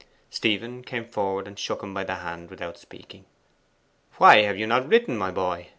Stephen came forward and shook him by the hand, without speaking. 'Why have you not written, my boy?